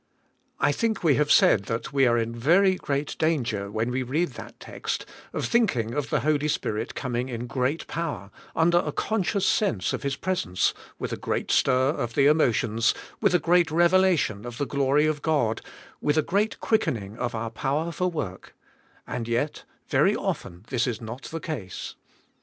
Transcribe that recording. I think we have said that we are in very great danger when we read that text, of thinking of the Holy Spirit coming in great power, under a conscious sense of His presence, with a great stir of the emotions, with a great revelation of the glory of God, with a great quickening of our power for work, and yet very often this is not the case.